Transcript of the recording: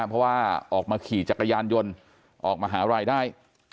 เพราะว่าออกมาขี่จักรยานยนต์ออกมาหารายได้